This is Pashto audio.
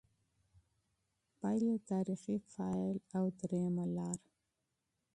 پایله: «تاریخي فاعل» او درېیمه لار